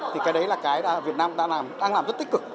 thì cái đấy là cái việt nam đang làm rất tích cực